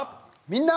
「みんな！